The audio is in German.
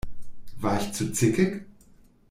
War ich zu zickig?